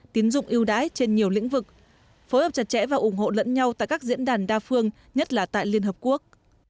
tiến dụng yêu đái trên nhiều lĩnh vực phối hợp chặt chẽ và ủng hộ lẫn nhau tại các diễn đàn đa phương nhất là tại liên hợp quốc